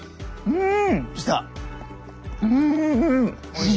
うん！